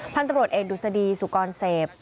พันธุรกรเอ็นดุสดีสุกรเสพ